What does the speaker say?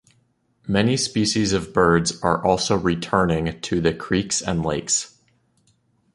Many species of birds are also returning to the creeks and lakes.